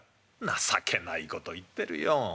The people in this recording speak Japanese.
「情けないこと言ってるよ。